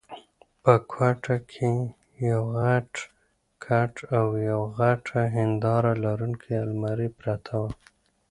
په کوټه کې یو غټ کټ او یوه غټه هنداره لرونکې المارۍ پرته وه.